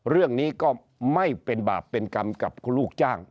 เรื่องนี้ก็ไม่เป็นบาปเป็นกรรมกับลูกจ้าง